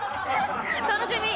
楽しみ！